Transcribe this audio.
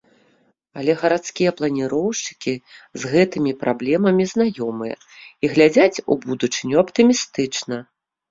Але гарадскія планіроўшчыкі з гэтымі праблемамі знаёмыя, і глядзяць у будучыню аптымістычна.